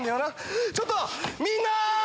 ちょっとみんな！